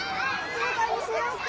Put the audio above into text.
静かにしようね！